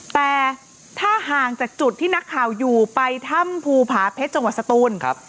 แต่ถ้าห่างจากจุดที่นักข่าวอยู่ไปถ้ำภูผาเพชรจังหวัดสตูน